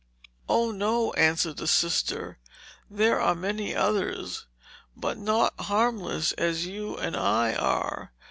"Ah, no," answered the sister, "there are many others, but not harmless as you and I are.